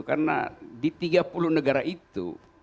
karena di tiga puluh negara itu